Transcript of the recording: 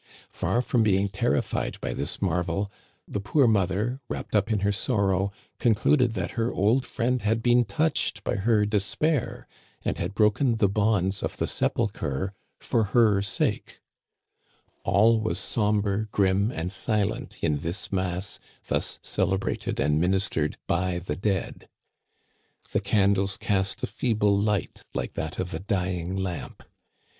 Far from being terrified by this marvel, the poor mother, wrapped up in her sorrow, concluded that her old friend had been touched by her despair, and had broken the bonds of the sepulchre for her sake. All was somber, grim, and silent in this mass thus celebrated and ministered by the dead. The candles II Digitized by VjOOQIC î62 ^^^ CANADIANS OF OLD. cast a feeble light like that of a dying lamp.